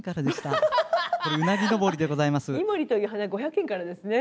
井森という花５００円からですね。